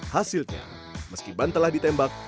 hasilnya meski ban telah ditembak